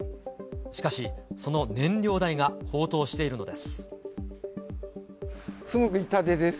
しかし、その燃料代が高騰しているのです。